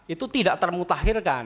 itu tidak termutahirkan